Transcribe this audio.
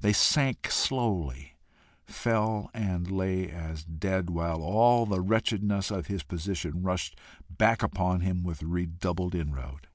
They sank slowly, fell, and lay as dead, while all the wretchedness of his position rushed back upon him with redoubled inroad.